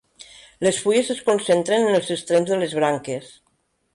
Les fulles es concentren en els extrems de les branques.